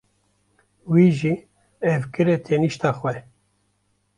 Wî jî ew kire tenişta xwe.